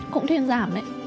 cũng thiên giảm đấy